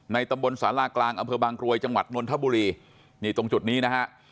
ตำบลศาลากลางอำเภอบางกรวยจังหวัดนนทบุรีนี่ตรงจุดนี้นะฮะ